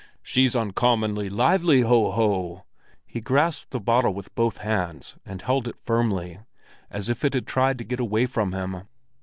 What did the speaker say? "She's uncommonly lively, ho ho!" He grasped the bottle with both hands and held it firmly, as if it had tried to get away from him.